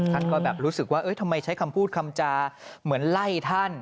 ท่านก็แบบรู้สึกว่าทำไมใช้คำพูดคำจาเหมือนไล่ท่าน